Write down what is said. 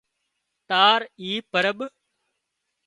تار اي پرٻ